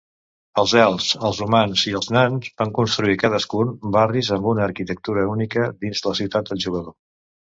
Els elfs, els humans i els nans van construir cadascun barris amb una arquitectura única dins la ciutat del jugador.